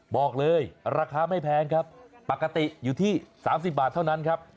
บอกเลยราคาไม่แพงครับปกติอยู่ที่๓๐บาทเท่านั้นครับ